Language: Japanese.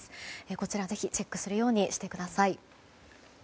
こちら、ぜひチェックするようにしてください。